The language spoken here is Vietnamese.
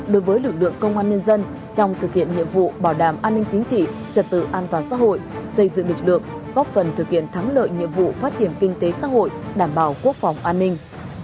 đối với lực lượng công an nhân dân trong thực hiện nhiệm vụ bảo đảm an ninh chính trị trật tự an toàn xã hội xây dựng lực lượng góp phần thực hiện thắng lợi nhiệm vụ phát triển kinh tế xã hội đảm bảo quốc phòng an ninh